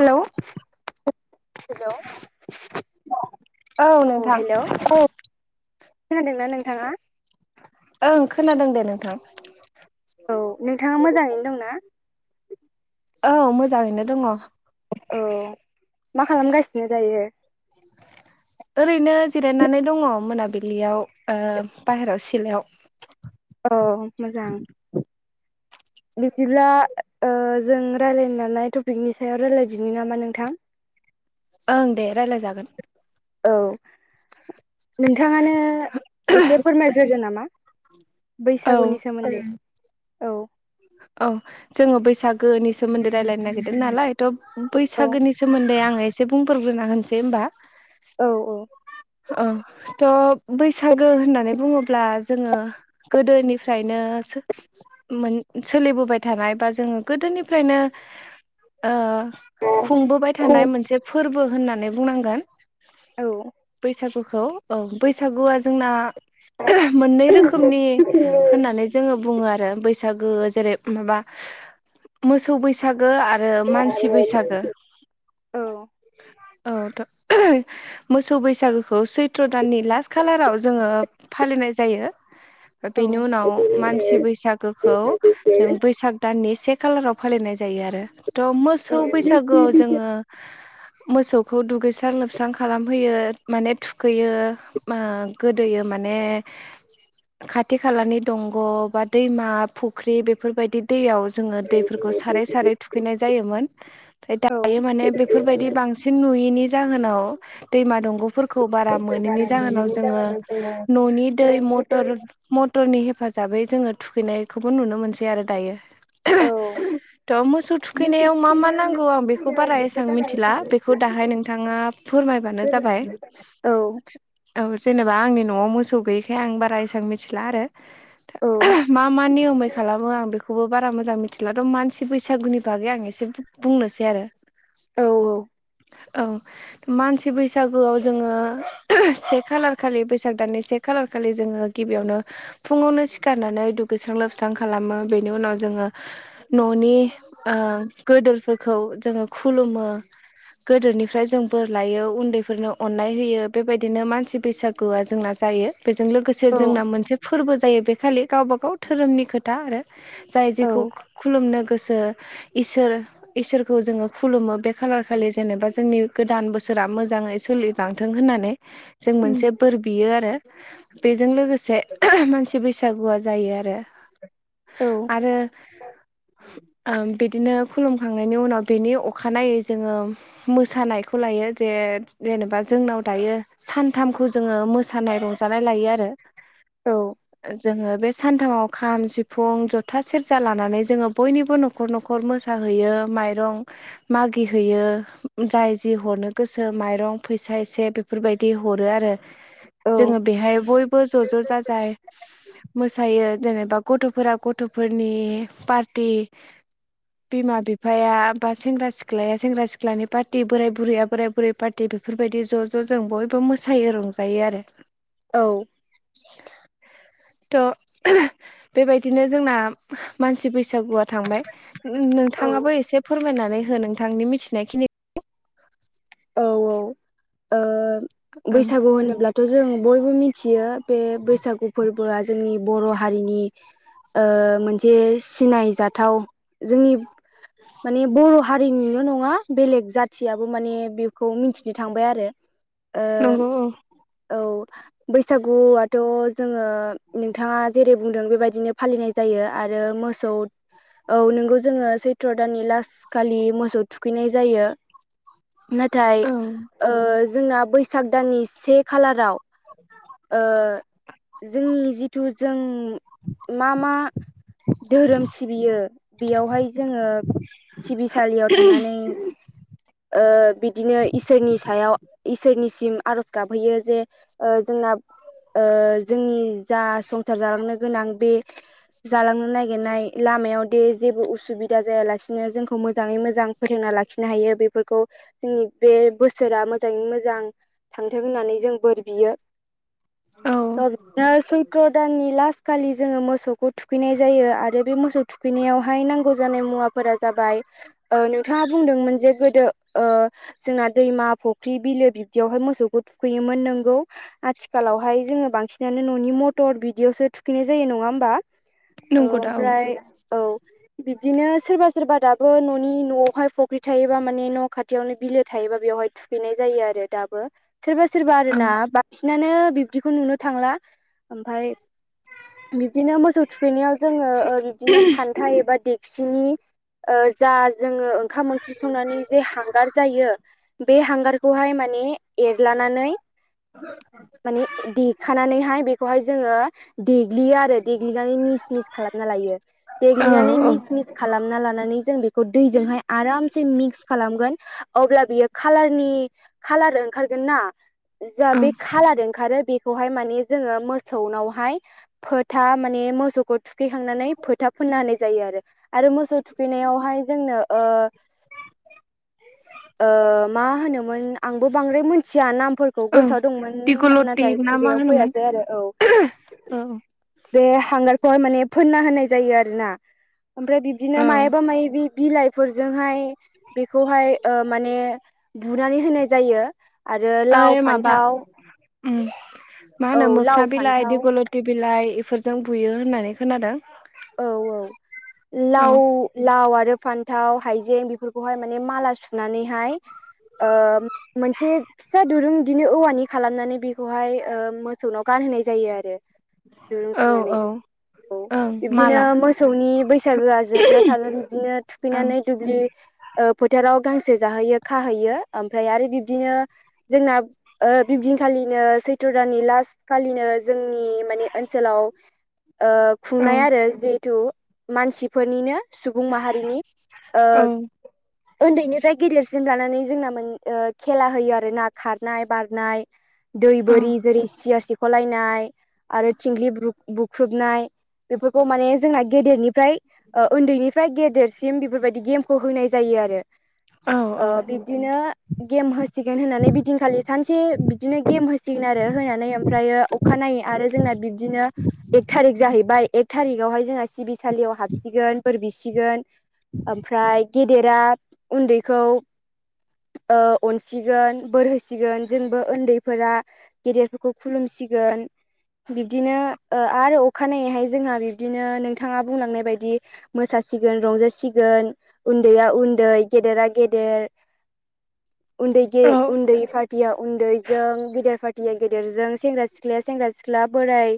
हेल'औ हेल'औ [unintelligible] औ नोंथां खोनादोंना नोंथाङा? ओं खोनादों दे नोंथां। औ नोंथाङा मोजाङैनो दंना। औ मोजाङैनो दङ। औ मा खालामगासिनो दायो? ओरैनो जिरायनानै दङ। मोनाबिलियाव ओ बाहेराव सिलायाव अ मोजां। बिदिब्ला ओ जों रायलायनानो लानाय टपिकनि सायाव रायलायदिनि नामा नोंथां? ओं दे रायजलायजागोन। औ नोंथाङानो एसे फोरमायग्रोदो नामा। औ बैसागुनि सोमोन्दै औ। औ जोङो बैसा गोनि सोमोन्दै रायलायनो नागिरदों नालाय थ औ बैसागोनि सोमोन्दै आङो ए से बुंफोरग्रोना होनोसै होमबा औ औ औ थ बैसागो होननानै बुङोब्ला जोङो गोदोनिफ्रायनो सो मोन सोलिबोबाय थानाय बा जोङो गोदोनिफ्रायनो ओ औ खुंबोबाय थानाय मोनसे फोरबो होननानै बुंनांगोन औ बैसागुखौ औ बैसागुआ जोंना मोननै रोखोमनि होननानै जोङो बुङो आरो बै बसागो जेरै माबा मोसौ बै सागो आरो मानसि बैसागो औ थ मो सौ बैसागोखौ सैथ्र दाननि लास्ट खालाराव जोङो फालिनाय जायो बेनि उनाव मानसि बैसागोखौ जों बैसाग दाननि से खालाराव फालिनाय जायो आरो थ मोसौ बैसागोआव जोङो मोसौखौ दुगैस्रां लोबस्रां खालाम होयो माने थुखैयो मा गोदोयो माने खाथि खालानि दंग बा दैमा फुख्रि बेफोरबायदि दैयाव जोङो दैफोरखौ सारै सारै थुखैनाय जायोमोन ओफ्राय औ औ दायो माने बेफोरबायदि बांसिन नुयिनि जाहोनाव दैमा दंगफोर खौ बारा गोसो मोनैनि बारा जाहोनाव मोनैनि जोङो जाहोनाव जोङो न'नि दै मथर मथरनि हेफाजाबै जोङो थुखैनायखौबो नुनो मोनसै आरो दायो औ थ मोसौ थुखैनायाव मा मा नांगौ आं बेखौ बारा एसां मिथिला बेखौ दाहाय नोंथाङा फोरमाय बानो जाबाय खोनानायल' औ औ जेनेबा आंनि न'आव मोसौ गैयिखाय आं बारा एसां मिथिला आरो औ मा मा नियमै खालामो आं बे खौबो बारा मोजां मिथिला मानसि बैसागुनि बागै आं एसे बुंनोसै आरो औ औ औ मानसि बैसागुआव जोङो से खालार खालि बैसाग दाननि से खालार खालि जोङो गिबियावनो फुङावनो सिखारनानै दुगैस्रां लोबस्रां खालामो बेनि उनाव जोङो न'नि ओ गोदोरफोरखौ जोङो खुलुमो गोदोनिफ्राय जों बोर लायो उन्दैफोरनो अननाय होयो बेबायदिनो मानसि बैसागुआ जोंना जायो बेजों लोगोसे औ जोंना मोनसे फोरबो जायो बे खालि गावबागाव धोरोमनि खोथा आरो जाय औ जेखौ खुलुमनो गोसो सोर इसोरखौ जोङो खुलुमो बे खालार खालि जेनेबा जोंनि गोदान बोसोरा मो जाङै सोलिलांथों होननानै जों मोनसे बोर बियो आरो बेजों लोगोसे मानसि बैसागुआ जायो आरो आरो ओ बिदिनो खुलुमखांनायनि उनाव बिनि अखानायै जोङो मोसानायखौ लायो जे जेनेबा जोंनाव दायो सानथामखौ जोङो मोसानाय रंजानाय लायो आरो औ जोङो बे सानथामाव खाम सिफुं जथा सेरजा लानानै जोङो बयनिबो न' खर न'खर मोसाहैयो माइरं मागि हैैयो जाय जि हरनो गोसो माइ माइरं फैसा एसे बेफोरबायदि हरो आरो जोङो बेहाय बयबो ज ज जाजाय मोसायो जेनेबा गथ'फोरा गथ'फोरनि पार्टि बिमा बिफाया बा सेंग्रा सिख्लाया सेंग्रा सिख्लानि पार्टि बोराय बुरैया बोराय बुरै पार्टि दे बेफोरबायदि ज ज जों बयबो मोसायो रंजायो आरो औ थ' बेबायदिनो जोंना मानसि बैसागुआ थांबाय नोंथाङाबो औ एसे फोरमायनानै हो नोंथांनि मिथिनायखिनि औ औ ओ ओं बैसागु होनोब्लाथ' जों बयबो मिथियो बे बैसागु फोर- बोआ जोंनि बर' हारिनि ओ मोनसे सिनायजाथाव जोंनि माने बर' हारिनिल' नङा बेलेग जाथियाबो माने बेखौ मिथिनो थांबाय आरो नंगौ औ ओ औ बैसागुआथ' जोङो नोंथाङा जेरै बुंदों बेबायदिनो फालिनाय जायो आरो मोसौ औ नोंगौ जोङो सैथ्र' दाननि लासखालि मोसौ थुखैनाय जायो नाथाय जोंना ओ बैसाग दाननि से खालाराव ओ जोंनि जिथु जों मा मा धोरोम सिबियो बेयावहाय जोङो सिबिसालियाव थांनानै बिदिनो इसोरनि सायाव इसोरनिसिम आरज गाबहैयो ओ जे जोंना ओ जोंनि जा संसार जालांनो गोनां बे जालांनो नागिरनाय लामायाव दि जेबो उसुबिदा जायालासिनो जोंखौ मोजाङै मोजां फोथांना लाखिनो हायो बेफोरखौ जोंनि बे बोसोरा मोजाङै मोजां थांथों होननानै जों बोर बियो औ [unintelligible] सैत्र' दाननि लासखालि जोङो मोसौखौ थुखैनाय जायो आरो बे मोसौ थुखैनायावहाय नांगौ जानाय मुवा फोरा जाबाय नोंथाङा बुंदोंमोन जे गोदो ओ जोंना दैमा फुख्रि बिलो बिब्दियावहाय मोसौखौ थुखैयोमोन नोंगौ आथिखालावहाय जोङो बांसिनानो न'नि मथर बिदियावसो थुखैनाय जायो नङा होमबा नंगौ दा औ ओमफ्राय औ बिब्दिनो सोरबा सोरबा दाबो न'नि न'आवहाय फख्रि थायोबा माने न' खाथि थियावनो बिलो थायोबा बेवहाय थुखैनाय जायो आरो दाबो सोरबा सोरबा ओं आरोना बांसिनानो बिब्दिखौ नुनो थांला ओमफ्राय बिदिनो मोसौ थुखैनायाव जोङो बिदिनो खान्थाइ एबा दिग सिंनि जा जोङो ओंखाम ओंख्रि संनानै जोङो हां- हांगार जायो बे हांगारखौहाय माने एरलानानै माने देखानानैहाय बेखौहाय जोङो देग्लियो आरो देग्लिनानै मिस मिस खालामना लायो औ देग्लिनानै औ मिस मिस खालामना लानानै जों बेखौ दैजोंहाय आरामसे मिक्स खालामगोन अब्ला बियो खाालारनि खालार ओंखारगोन ना जा ओं बे खालार ओंखारो बे खौहाय माने जोङो मोसौनावहाय फोथा माने मोसौखौ थुखैखांनानै फोथा फोननो होनाय जायो आरो आरो मोसौ थुखैनायावहाय जोंनो ओ ओ मा होनोमोन आंबो बांद्राय मिथिया नामफोर खौ ओं गोसोआव दंमोन दिगल'थि नाथाय ना मा खुगायाव होनोमोन फैयासै आरो औ औ बे हांगारखौहाय माने फोनना होनाय जायो आरो ना ओमफ्राय बिब्दिनो औ मायाबा मायोबि बिलाइफोरजोंहाय [inaudible] बिखौहाय ओ माने बुनानै होनाय जायो आरो लाव ओइ माबा फान्थाव ओम मा औ होनो लाव मोख्ना बिलाइ फान्थाव दिग' ल टि बिलाइ इफोरजों बुयो होननानै खोनादों। औ औ औ लाव लाव आरो फान्थाव, हाइजें बेफोरखौहाय माने माला सुनानैहाय ओ मोनसे फिसा दुरुं बिदिनो औवानि खालामनानै बेखौहाय ओ मोसौनाव गानहोनाय जायो आरो दिरूं औ सुनानै औ औ ओं बिदिनो माला मोसौनि बैसागोआ जोबना थागोन बिदिनो ओं थुखैनानै दुब्लि ओ फोथाराव गांसे जाहोयो खाहैयो ओमफ्राय आरो बिब्दिनो जोंना ओ बिबदिनखालिनो सैथ्र' दाननि लास्ट खालिनो जोंनि मानि ओनसोलाव ओ औ खुंनाय आरो जि तु मानसिफोरनिनो सुबुं माहारिनि ओ औ ओन्दैनिफ्राय गेदेरसिम लानानै जोंना मोन ओ खेला होयो आरोना खारनाय, बारनाय दै औ बोरि जेरै सियार सिख'लायनाय आरो थिंख्लि ब्रु बुख्रुबनाय बेफोरखौ माने जोंना गेदेरनिफ्राय ओ ओन्दैनिफ्राय गेदेरसिम बेफोरबायदि गेमखौ होनाय जायो आरो औ ओ औ बिब्दिनो गेम होसिगोन होनानै बिदिनखालि सानसे बिदिनो गेम होसिगोन आरो होनानै ओमफ्रायो अखानायै आरो जोंना बिब्दिनो एक थारिक जाहैबाय एक थारिगावहाय जोंहा सिबिसालियाव हाबसिगोन बोर बिसिगोन ओमफ्राय गेदेरा उन्दैखौ ओ अनसिगोन बोर होसिगोन जोंबो ओन्दैफोरा गेदेरफोरखौ खुलुमसिगोन बिब्दिनो ओ आरो अखानायैहाय जोंहा बिब्दिनो नोंथाङा बुंलांनाय बायदि मोसासिगोन रंजासिगोन उन्दैया उन्दै गेदेरा गेदेर उन्दै गे औ उन्दै फार्टिया उन्दैजों गिदिर फार या गेदेरजों सेंग्रा-सिख्लाया सेंग्रा-सिख्ला बोराय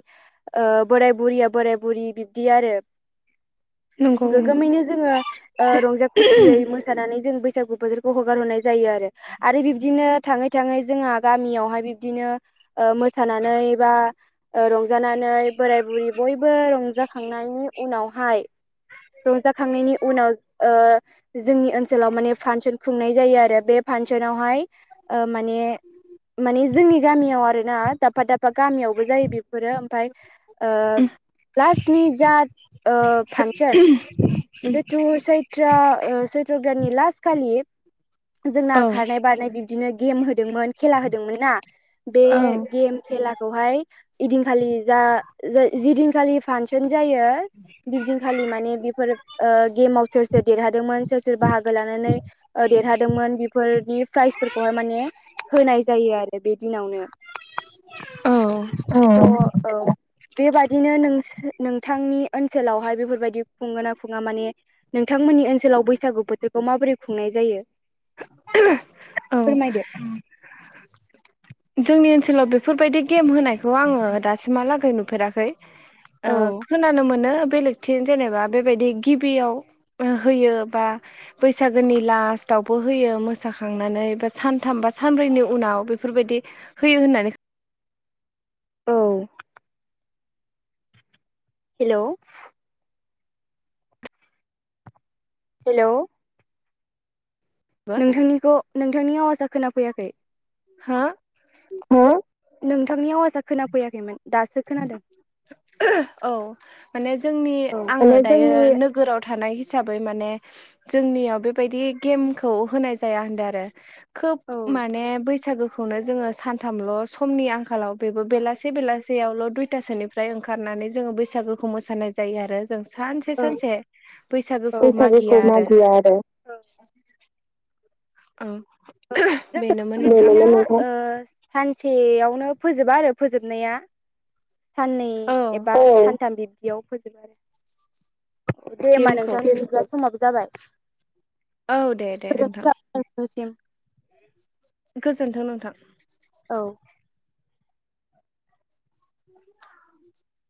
ओ बोराय-बुरिया बोराय-बुरि बिब्दि आरो नंगौ गोगोमैनो जोङो ओ रंजा खुसियै मोसानानै जों बैसागु बोथोरखौ हगारहरनाय जायो आरो, आरो बिब्दिनो थाङै थाङै जोंहा गामियावहाय बिब्दिनो ओ मोसानानै बा ओ रंजानानै बोराय-बुरि बयबो रंजाखांनायनि उनावहाय रंजाखांनायनि उनाव ओ जोंनि ओनसोलाव माने फांसन खुंनाय जायो आरो बे फांसनावहाय माने मानि जोंनि गामियाव आरोना दाबफा दाबफा गामियावबो जायो बेफोरो ओमफाय ओ लासनि जा ओ फांसन जिथु सैत्रा ओ चैत्रदाननि लास खालि औ जोंना खारनाय बारनाय बिब्दिनो गेम होदोंमोन खेला होदोंमोन ना बे गेम खेलाखौहाय इदिनखालि जा जिदिनखालि फांसन जायो बिब्दिनखालि माने बेफोर ओ गेमाव सोर सोर देरहादोंमोन सोर सोर बाहागो लानानै ओ देरहादोंमोन बेफोरनि प्राइजफोरखौहाय माने होनाय जायो आरो बे दिनावनो औ औ औ बेबादिनो नों नोंथांनि ओनसोलावहाय बेफोरबायदि खुङोना खुङा माने नोंथांमोननि ओनसोलाव बैसागु बोथोरखौ माबोरै खुंनाय जायो? औ फोरमायदो जोंनि ओनसोलाव बेफोरबायदि गेम होनायखौ आङो दासिमहालागै नुफेराखै औ ओं खोनानो मोनो बेलेग थिं जेनेबा बेबायदि गिबियाव होयो बा बैसागोनि लास्टआवबो होयो मोसाखांनानै बा सानथाम बा सानब्रैनि उनाव बेफोरबादि फैयो होननानै औ। हेल' हेलौ। नोंथांनिखौ नोंथांनि आवासा खोनाफैयाखै? हो? हो नोंथांनि आवाजआ खोनाफैयाखै दासो खोनादों। औ माने जोंनि औ आङो माने दायो। जोंनि नोगोराव थानाय हिसाबै माने जोंनियाव बेबायदि गेमखौ होनाय जाया होनदों आरो खोब औ माने बैसागु खौनो जोङो सानथामल' समनि आंखालाव बेबो बेलासे बेलासेयावल' दुइथासोनि फोरनिफ्राय ओंखारनानै जोङो बैसागोखौ मोसानाय जायो आरो। जों सानसे सानसे बैसागोखौ मागिया आरो। औ जों बेनोमोन नोंथां। बिब्दिनो ओ सानसेयावनो फोजोबा आरो फोजोबनाया। साननै औ एबा सानथाम बिब्दियाव फोजोबो आरो। दे होमबा गेमखौ नोंथां बिब्ला समाबो जाबाय। औ दे दे नोंथां। निसिम गोजोन्थों नोंथां। औ।